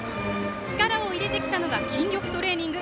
力を入れてきたのが筋力トレーニング。